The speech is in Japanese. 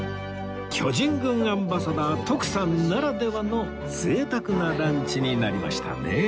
巨人軍アンバサダー徳さんならではの贅沢なランチになりましたね